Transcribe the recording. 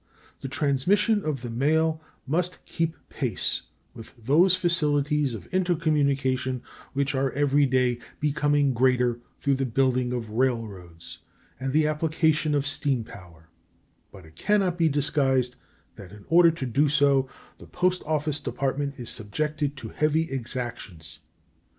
The transmission of the mail must keep pace with those facilities of intercommunication which are every day becoming greater through the building of railroads and the application of steam power, but it can not be disguised that in order to do so the Post Office Department is subjected to heavy exactions.